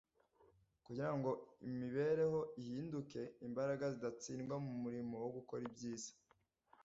kugira ngo imibereho ihinduke imbaraga zidatsindwa mu murimo wo gukora ibyiza.